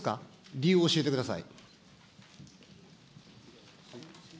理由を教えてください。